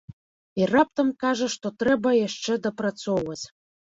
І раптам кажа, што трэба яшчэ дапрацоўваць.